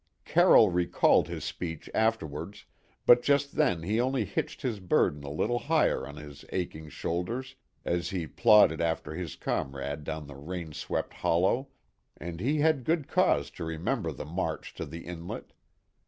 Carroll recalled his speech afterwards, but just then he only hitched his burden a little higher on his aching shoulders as he plodded after his comrade down the rain swept hollow, and he had good cause to remember the march to the inlet.